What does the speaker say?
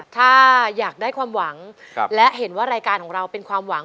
ถ้าอยากได้ความหวังและเห็นว่ารายการของเราเป็นความหวัง